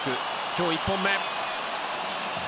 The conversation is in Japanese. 今日１本目です。